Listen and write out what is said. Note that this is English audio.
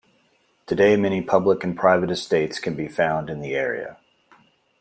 Today many public and private estates can be found in the area.